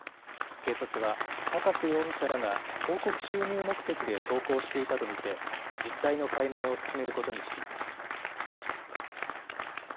警察は高瀬容疑者らが広告収入目的で投稿していたと見て実態の解明を進めることにしています。